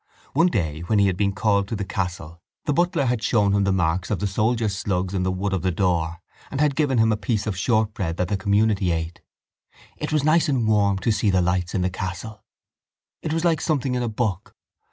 One day when he had been called to the castle the butler had shown him the marks of the soldiers' slugs in the wood of the door and had given him a piece of shortbread that the community ate. It was nice and warm to see the lights in the castle. It was like something in a book.